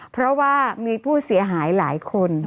เพราะว่ามีผู้เสียหายหลายคน